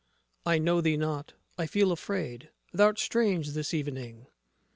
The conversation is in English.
I know thee not: I feel afraid: Thou'rt strange this evening.